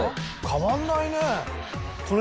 変わらないね。